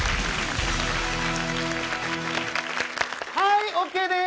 はいオーケーです！